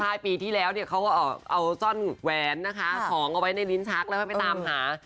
ปลายปีที่แล้วเขาเอาจ้อนแหวนนะคะของเอาไว้ในลิ้นชักแล้วไปตามหา